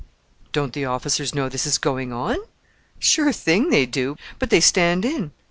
"Don't the officers know this is going on?" "Sure thing they do; but they 'stand in.